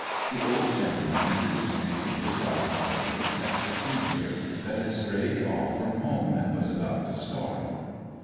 The old gentleman introduced me to his wife as a little Texas hoosier that had strayed off from home and was about to starve.